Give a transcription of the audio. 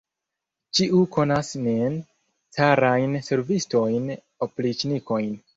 Ĉiu konas nin, carajn servistojn, opriĉnikojn!